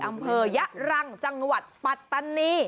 อำเภอยะรังจังหวัดปัตตานี